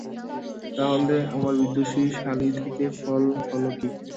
তা হলে আর বিদুষী শ্যালী থেকে ফল হল কী?